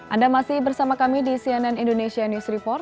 anda masih bersama kami di cnn indonesia news report